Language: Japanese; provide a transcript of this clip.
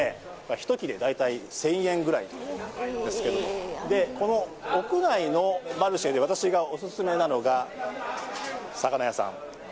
１切れ大体１０００円ぐらいですけどもこの屋内のマルシェで私がおすすめなのが魚屋さん。